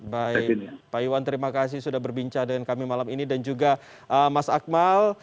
baik pak iwan terima kasih sudah berbincang dengan kami malam ini dan juga mas akmal